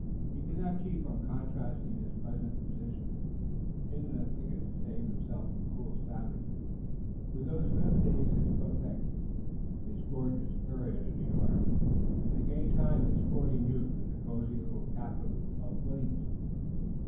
He could not keep from contrasting his present position, hid in a thicket to save himself from cruel savages, with those vivid days at Quebec, his gorgeous period in New York, and the gay time with sporting youth in the cozy little capital of Williamsburg.